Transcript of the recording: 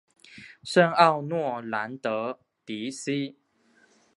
圣奥诺兰德迪西。